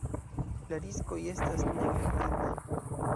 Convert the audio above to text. La riskoj estas neglektindaj.